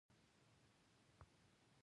مور او پلار ته درناوی کول واجب دي.